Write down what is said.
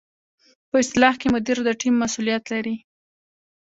په اصطلاح کې مدیر د ټیم مسؤلیت لري.